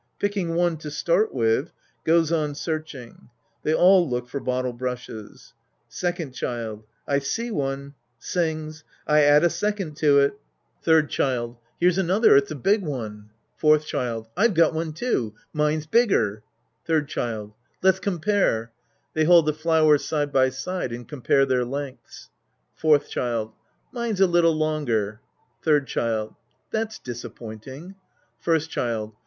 Picking one to start with — {Goes on searching. They all look for bottle brushes^ Second Child. I see one. {Sings^ I add a second to it. Sc. I The Priest and His Disciples 143 Third Child. Here's another. It's a big one. Fourth Child. I've got one too. Mine's bigger. Third Child. Let's compare. {They hold the flowers side by side and compare their lengths^ Fourth Child. Mine's a little longer. Third Child. That's disappointing. First Child.